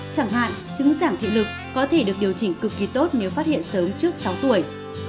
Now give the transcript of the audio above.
chẳng hạn chứng giảm thị lực có thể được điều chỉnh cực kỳ tốt nếu phát hiện sớm trước sáu tuổi